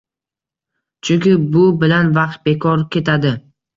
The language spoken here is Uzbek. Chunki bu bilan vaqt bekor ketadi.